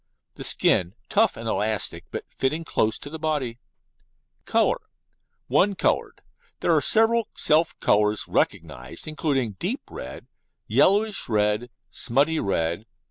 The skin tough and elastic, but fitting close to the body. COLOUR One Coloured: There are several self colours recognised, including deep red, yellowish red, smutty red.